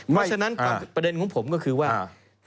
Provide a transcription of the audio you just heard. เพราะฉะนั้นประเด็นของผมก็คือว่า